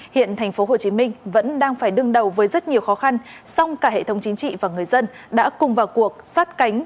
hiện thành phố hồ chí minh vẫn đang phải đương đầu với rất nhiều khó khăn song cả hệ thống chính trị và người dân đã cùng vào cuộc sát cánh